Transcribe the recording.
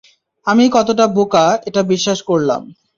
আমি কতটা বোকা, এটা বিশ্বাস করলাম!